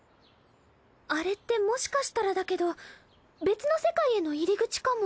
あれってもしかしたらだけど別の世界への入り口かも。